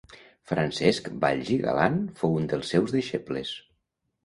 Francesc Valls i Galan fou un dels seus deixebles.